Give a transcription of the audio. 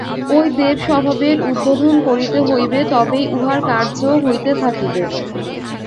ঐ দেব-স্বভাবের উদ্বোধন করিতে হইবে, তবেই উহার কার্য হইতে থাকিবে।